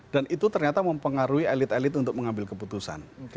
dan itu ternyata mempengaruhi elit elit untuk mengambil keputusan